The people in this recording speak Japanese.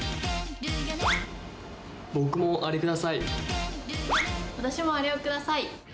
僕もあれください！